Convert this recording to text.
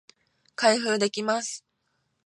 開封できます